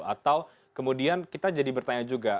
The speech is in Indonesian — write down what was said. atau kemudian kita jadi bertanya juga